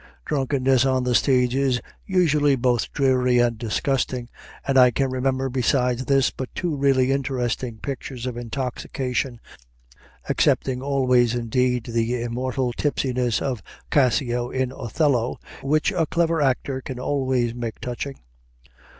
Drunkenness on the stage is usually both dreary and disgusting; and I can remember besides this but two really interesting pictures of intoxication (excepting always, indeed, the immortal tipsiness of Cassio in "Othello," which a clever actor can always make touching).